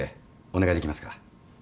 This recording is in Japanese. お願いできますか？